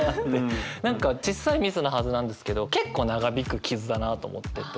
何かちっさいミスなはずなんですけど結構長引く傷だなと思ってて。